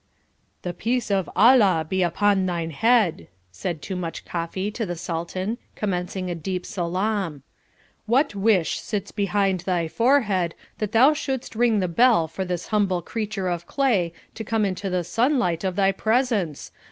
"The Peace of Allah be upon thine head," said Toomuch Koffi to the Sultan, commencing a deep salaam. "What wish sits behind thy forehead that thou shouldst ring the bell for this humble creature of clay to come into the sunlight of thy presence?